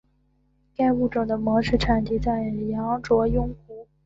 该物种的模式产地在羊卓雍湖。